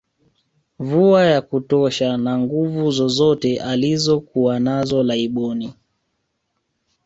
Mvua ya kutosha na Nguvu zozote alizokuwa nazo laibon